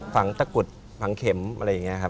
ฝังตะกุดฝังเข็มอะไรอย่างนี้ครับ